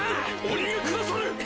お逃げくだされ！